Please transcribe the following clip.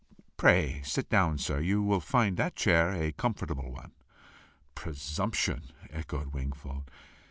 Pray sit down, sir. You will find that chair a comfortable one." "Presumption!" echoed Wingfold.